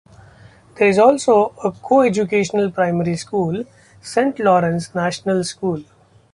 There is also a co-educational primary school, Saint Laurence's National School.